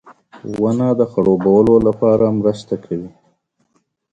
• ونه د خړوبولو لپاره مرسته کوي.